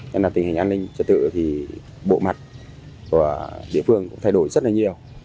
nên là tình hình an ninh trật tự thì bộ mặt của địa phương cũng thay đổi rất là nhiều